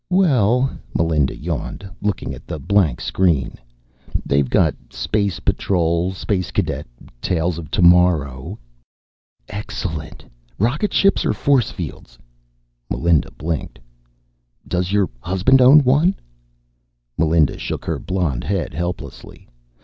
"Well," Melinda yawned, looking at the blank screen, "they've got Space Patrol, Space Cadet, Tales of Tomorrow ..." "Excellent. Rocket ships or force fields?" Melinda blinked. "Does your husband own one?" Melinda shook her blonde head helplessly.